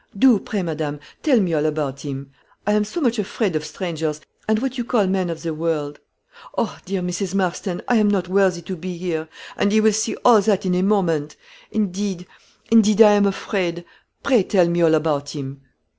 Do, pray, madame, tell me all about him; I am so much afraid of strangers, and what you call men of the world. Oh, dear Mrs. Marston, I am not worthy to be here, and he will see all that in a moment; indeed, indeed, I am afraid. Pray tell me all about him."